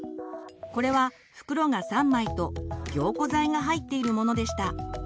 これは袋が３枚と凝固剤が入っているものでした。